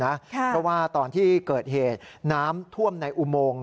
เพราะว่าตอนที่เกิดเหตุน้ำท่วมในอุโมง